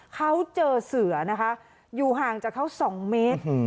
เขาเจอเสือนะคะอยู่ห่างจากเขา๒เมตร